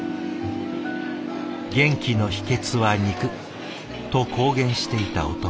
「元気の秘けつは肉！」と公言していた男。